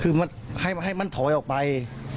คือให้มันถอยออกไป